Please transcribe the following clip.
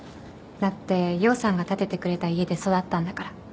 だってヨウさんが建ててくれた家で育ったんだから。